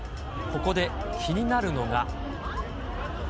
ここで気になるのが。